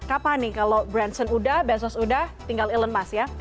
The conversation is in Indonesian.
kapan nih kalau branson udah besok udah tinggal elon musk ya